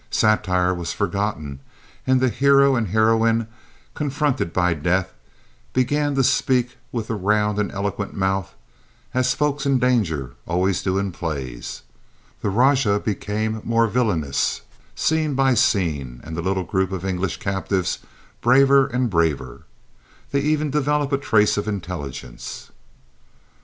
Satire was forgotten and the hero and heroine, confronted by death, began to speak with the round and eloquent mouth, as folk in danger always do in plays. The rajah became more villainous scene by scene and the little group of English captives braver and braver. They even developed a trace of intelligence.